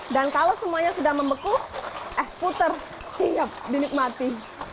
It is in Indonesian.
dan kalau semuanya sudah membeku es puter siap dinikmati